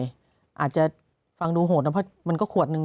อาจจะฟังดูโหดนะเพราะมันก็ขวดนึง